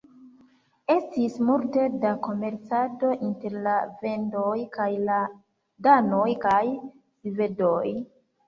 Estis multe da komercado inter la vendoj kaj la danoj kaj svedoj.